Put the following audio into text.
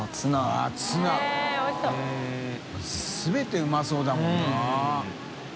全てうまそうだもんな。